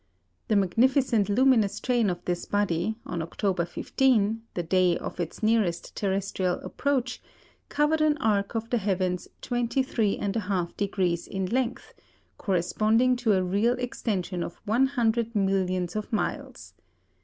The magnificent luminous train of this body, on October 15, the day of its nearest terrestrial approach, covered an arc of the heavens 23 1/2 degrees in length, corresponding to a real extension of one hundred millions of miles.